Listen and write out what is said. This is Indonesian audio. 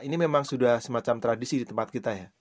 ini memang sudah semacam tradisional